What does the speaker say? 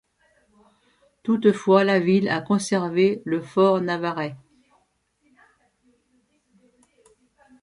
Toutefois la ville a conservé le for navarrais.